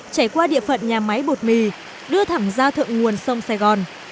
chảy qua địa phận nhà máy bột mì đưa thẳng ra thượng nguồn sông sài gòn